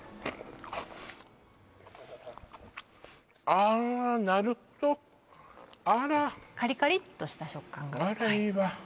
あーなるほどあらカリカリっとした食感があらいいわ